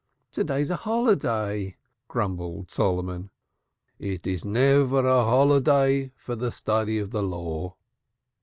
"To day is a holiday," grumbled Solomon. "It is never a holiday for the study of the Law."